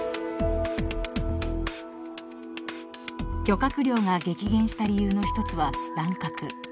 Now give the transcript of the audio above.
［漁獲量が激減した理由の一つは乱獲］